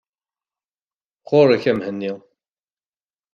Ɣur-k a Mhenni.